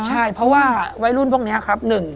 ใช่เพราะว่าวัยรุ่นพวกนี้ครับ